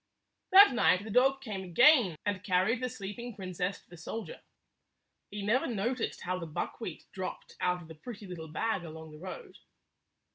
That night the dog came again and carried the 171 sleeping princess to the soldier. He never no ticed how the buckwheat dropped out of the pretty little bag along the road.